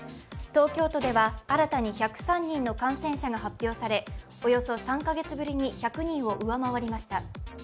東京都では新たに１０３人の感染者が発表されおよそ３カ月ぶりに１００人を上回りました。